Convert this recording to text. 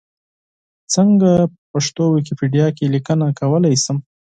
څنګه په پښتو ویکیپېډیا کې لیکنه کولای شم؟